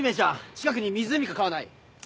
近くに湖か川ない？